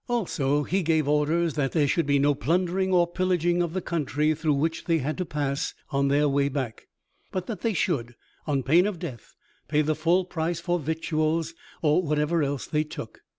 Also he gave orders that there should be no plundering or pillaging of the country through which they had to pass on their way back, but that they should, on pain of death, pay the full price for victuals or whatever else they took.